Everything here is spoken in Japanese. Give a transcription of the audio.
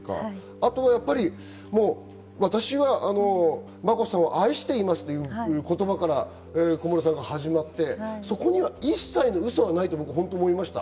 あとは、私は眞子さんを愛していますという言葉から小室さんが始まって、そこには一切のウソがないと思いました。